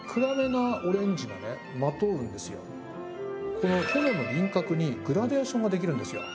この炎の輪郭にグラデーションができるんですよ。